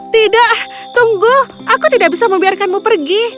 tidak tunggu aku tidak bisa membiarkanmu pergi